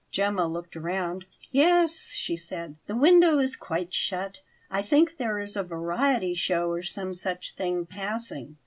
Gemma looked round. "Yes," she said, "the window is quite shut. I think there is a variety show, or some such thing, passing."